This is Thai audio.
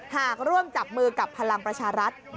หากร่วมจับมือกับพลังประชารัฐ